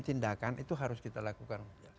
tindakan itu harus kita lakukan